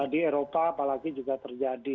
di eropa apalagi juga terjadi